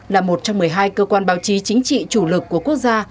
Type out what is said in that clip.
là một trong một mươi hai cơ quan báo chí chính trị chủ lực của quốc gia